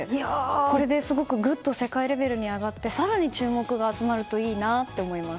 これですごくぐっと世界レベルに上がって更に注目が集まるといいなと思います。